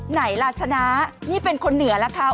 ไหนล่ะชนะนี่เป็นคนเหนือล่ะคะ